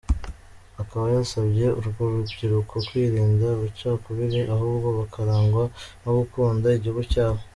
Akaba yasabye urwo rubyiruko kwirinda amacakubiri ahubwo bakarangwa no gukunda igihugu cyabo.